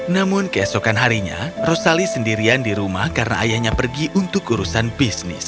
namun keesokan harinya rosali sendirian di rumah karena ayahnya pergi untuk urusan bisnis